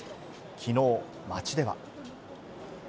きのう、街では。